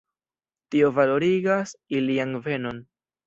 Tio valorigas ilian venon.